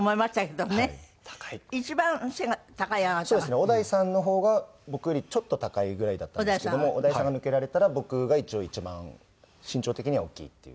小田井さんのほうが僕よりちょっと高いぐらいだったんですけども小田井さんが抜けられたら僕が一応一番身長的には大きいっていう。